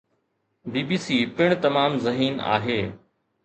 بي B C پڻ تمام ذهين آهي